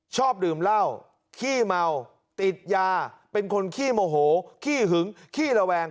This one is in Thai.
ชอบดื่มเหล้าขี้เมาติดยาเป็นคนขี้โมโหขี้หึงขี้ระแวง